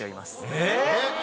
えっ！